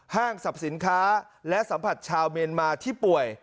ห้างสรรพสินค้าและสัมผัสชาวเมียนมาที่ป่วย